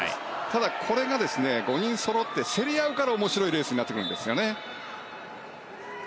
ただ、これが５人そろって競り合うから面白いレースになってくるんですよね。